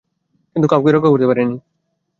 কিন্তু কাউকেই রক্ষা করতে পারেনি।